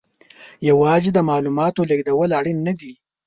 یوازې د معلوماتو لېږدول اړین نه دي.